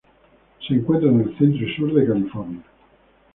Se encuentran en el Centro y sur de California.